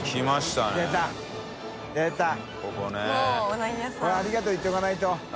海譴ありがとう言っておかないと。